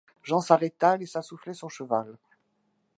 Jean s’arrêta, laissa souffler son cheval.